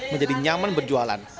menjadi nyaman berjualan